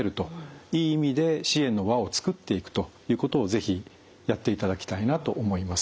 いい意味で支援の輪を作っていくということを是非やっていただきたいなと思います。